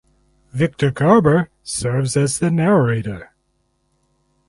Victor Garber serves as the narrator.